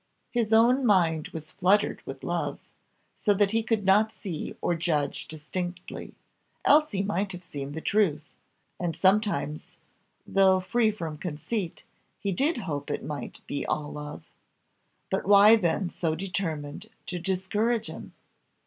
His own mind was fluttered with love, so that he could not see or judge distinctly, else he might have seen the truth; and sometimes, though free from conceit, he did hope it might be all love. But why then so determined to discourage him?